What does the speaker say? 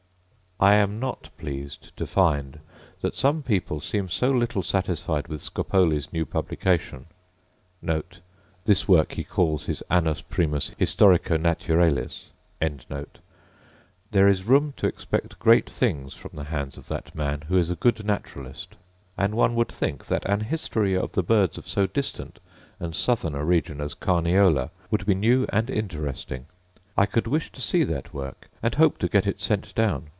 I am not pleased to find that some people seem so little satisfied with Scopoli's new publication;* there is room to expect great things from the hands of that man, who is a good naturalist: and one would think that an history of the birds of so distant and southern a region as Carniola would be new and interesting. I could wish to see that work, and hope to get it sent down.